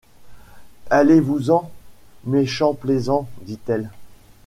Allez-vous-en, meschant plaisant ! dit-elle.